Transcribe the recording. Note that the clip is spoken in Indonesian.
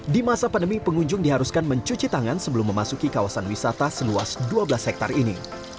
di masa pandemi pengunjung diharuskan mencuci tangan sebelum memasuki kawasan wisata seluas dua belas hektare ini